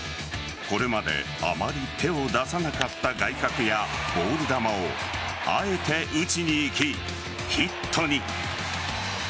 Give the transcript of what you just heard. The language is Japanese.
これまであまり手を出さなかった外角やボール球をあえて打ちにいき、ヒットに。